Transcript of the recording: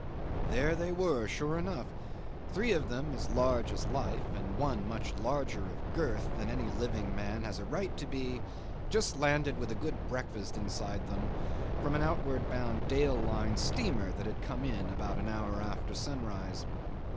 'There they were, sure enough, three of them as large as life, and one much larger of girth than any living man has a right to be, just landed with a good breakfast inside of them from an outward bound Dale Line steamer that had come in about an hour after sunrise.